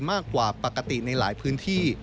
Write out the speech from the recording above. มากกว่าปกติในหลายพื้นที่